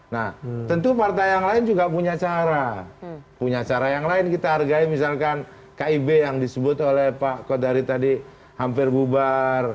nah tentu partai yang lain juga punya cara punya cara yang lain kita hargai misalkan kib yang disebut oleh pak kodari tadi hampir bubar